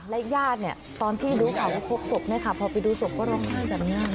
และย่านเนี่ยตอนที่ดูของพวกศพนะคะพอไปดูศพก็ร้องไห้แบบเนี้ยครับ